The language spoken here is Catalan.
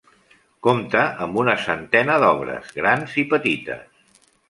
Compta amb una centena d'obres, grans i petites.